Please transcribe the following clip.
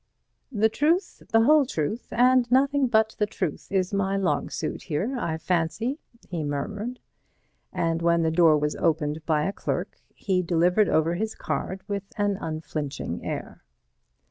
"The truth, the whole truth and nothing but the truth is my long suit here, I fancy," he murmured, and when the door was opened by a clerk he delivered over his card with an unflinching air.